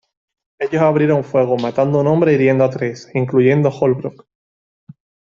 Ellos abrieron fuego, matando a un hombre e hiriendo a tres, incluyendo Holbrook.